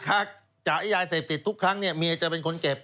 จ่ายยาเสพติดทุกครั้งเนี่ยเมียจะเป็นคนเก็บ